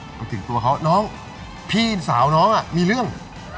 มาถึงตัวเขาน้องพี่สาวน้องมีเรื่อง